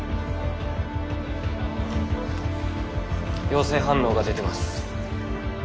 陽性反応が出てます。